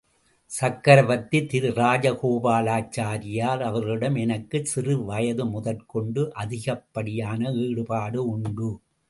சக்கரவர்த்தி திரு ராஜகோபாலசாரியார் அவர்களிடம் எனக்குச் சிறு வயது முதற்கொண்டு அதிகப்படியான ஈடுபாடு உண்டு.